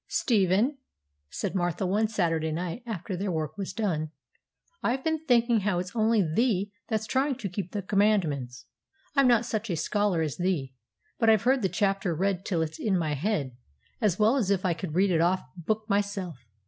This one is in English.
'Stephen,' said Martha one Saturday night, after their work was done, 'I've been thinking how it's only thee that's trying to keep the commandments. I'm not such a scholar as thee; but I've heard thy chapter read till it's in my head, as well as if I could read it off book myself.